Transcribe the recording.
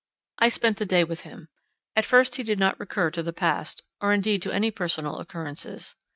I spent the day with him. At first he did not recur to the past, or indeed to any personal occurrences.